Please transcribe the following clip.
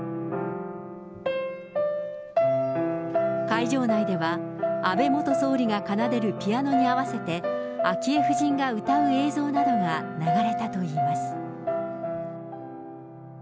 会場内では、安倍元総理が奏でるピアノに合わせて、昭恵夫人が歌う映像などが流れたといいます。